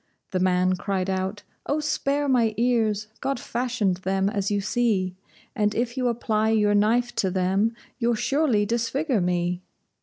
The man cried out: "Oh, spare my ears! God fashioned them as you see, And if you apply your knife to them, you'll surely disfigure me."